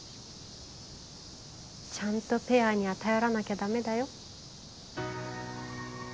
ちゃんとペアには頼らなきゃダメだよ。